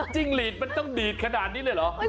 หลีดมันต้องดีดขนาดนี้เลยเหรอ